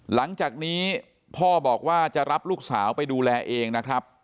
หลังจากนี้พ่อบอกว่าจะรับลูกสาวไปดูแลเองนะครับ